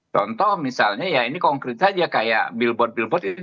contoh misalnya ya ini konkret saja kayak billboard billboard